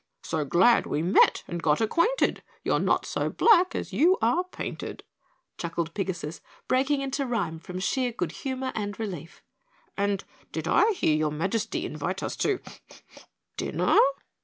"So glad we met and got acquainted, You're not so black as you are painted!" chuckled Pigasus, breaking into rhyme from sheer good humor and relief. "And did I hear your Majesty invite us to dinner?"